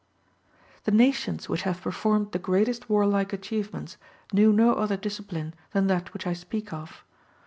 The nations which have performed the greatest warlike achievements knew no other discipline than that which I speak of.